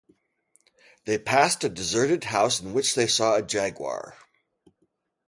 They passed a deserted house in which they saw a jaguar.